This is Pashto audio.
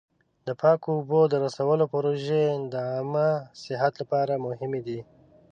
د پاکو اوبو د رسولو پروژې د عامه صحت لپاره مهمې دي.